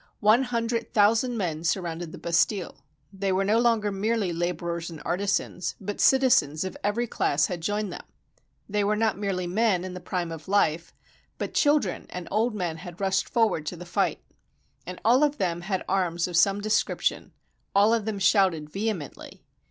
One hundred thousand men surrounded the Bastille. They were no longer merely laborers and artisans, but citizens of every class had joined them. They were not merely men in the prime of life, but children and old men had rushed for ward to the fight. And all of them had arms of some description, all of them shouted vehemently.